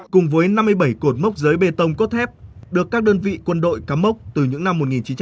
cùng với năm mươi bảy cột mốc giới bê tông cốt thép được các đơn vị quân đội cắm mốc từ những năm một nghìn chín trăm bảy mươi